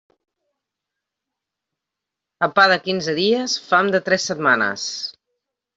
A pa de quinze dies, fam de tres setmanes.